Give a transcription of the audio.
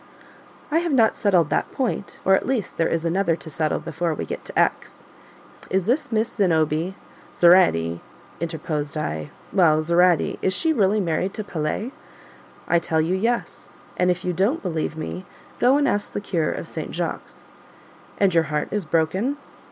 "I have not settled that point, or at least there is another to settle before we get to X . Is this Miss Zenobie" (Zoraide, interposed I) "well, Zoraide is she really married to Pelet?" "I tell you yes and if you don't believe me, go and ask the cure of St. Jacques." "And your heart is broken?"